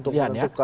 untuk menentukan ya